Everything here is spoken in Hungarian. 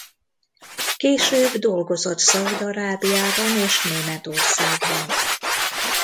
Később dolgozott Szaúd-Arábiában és Németországban.